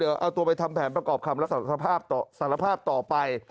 เอาตัวไปทำแผนประกอบคำและสารภาพต่อไป